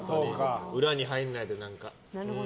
裏に入らないで。